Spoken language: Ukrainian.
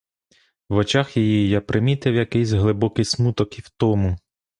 В очах її я примітив якийсь глибокий смуток і втому.